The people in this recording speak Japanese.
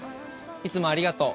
いつもありがとう。